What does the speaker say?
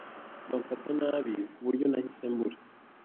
Bamfata nabi kuburyo nahise mbura.